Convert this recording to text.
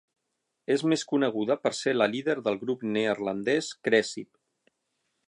És més coneguda per ser la líder del grup neerlandès Krezip.